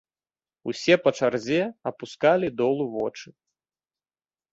Усе па чарзе апускалі долу вочы.